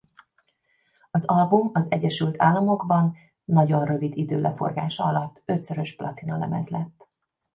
Az album az Egyesült Államokban nagyon rövid idő leforgása alatt ötszörös platinalemez lett.